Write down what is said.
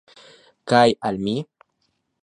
Kaj al mi?